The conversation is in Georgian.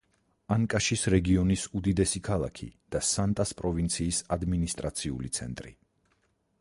ანკაშის რეგიონის უდიდესი ქალაქი და სანტას პროვინციის ადმინისტრაციული ცენტრი.